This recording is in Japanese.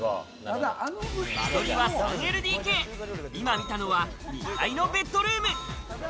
間取りは３ＬＤＫ、今見たのは２階のベッドルーム。